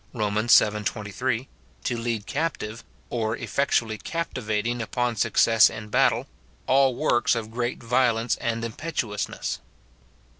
Rom. vii. 23, — to lead captive, or effectually captivating upon success in battle, — all works of great violence and im petuousness.